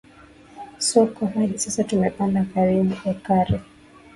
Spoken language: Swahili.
so kwa hadi sasa tumepanda karibu ekari